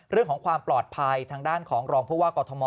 เรื่องของความปลอดภัยทางด้านของรองผู้ว่ากอทม